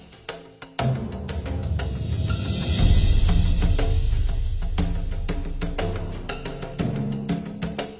เก้าชีวิตหรือเราให้เจ้าของโน้น